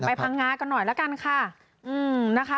ไปพังงากันหน่อยแล้วกันค่ะ